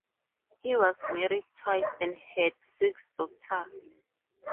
He was married twice and had six daughters.